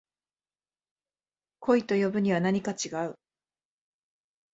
恋と呼ぶにはなにか違う